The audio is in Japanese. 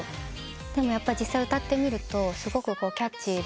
でも実際歌ってみるとすごくキャッチーで。